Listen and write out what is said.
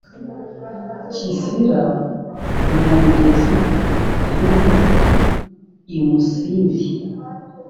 kisila nyamigezi yuhi i musindi